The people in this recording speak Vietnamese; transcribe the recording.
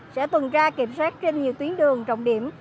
sẽ tuần tra kiểm soát trên nhiều tuyến đường trọng điểm